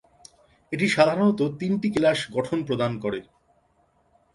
এটি সাধারণত তিনটি কেলাস গঠন প্রদান করে।